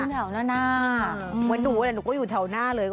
เหมือนหนูเนี่ยหนูก็อยู่แถวหน้าเลย